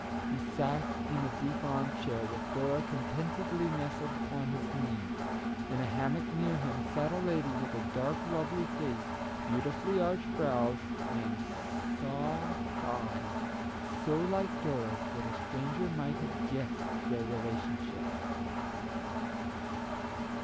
He sat in a deep armchair, with Dora contentedly nestled on his knee. In a hammock near him sat a lady, with a dark, lovely face, beautifully arched brows, and soft 125 126 Our Little Canadian Cousin eyes, so like Dora's that a stranger might have guessed their relationship.